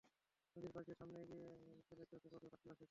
নদীর পাশ দিয়ে সামনে এগিয়ে গেলে চোখে পড়বে পাঁচটি বাঁশের সাঁকো।